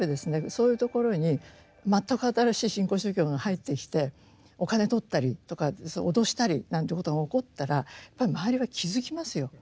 そういうところに全く新しい新興宗教が入ってきてお金取ったりとか脅したりなんていうことが起こったらやっぱり周りは気付きますよ。